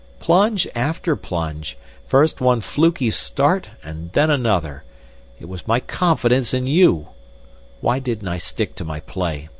Plunge after plunge. First one fluky start and then another. It was my confidence in you! Why didn't I stick to my play?